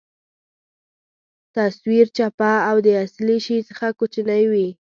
تصویر چپه او د اصلي شي څخه کوچنۍ وي.